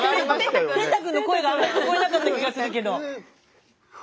天嵩くんの声があまり聞こえなかった気がするけど。